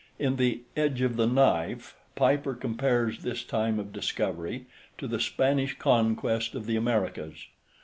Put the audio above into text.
In "The Edge of the Knife" Piper compares this time of discovery to the Spanish conquest of the Americas.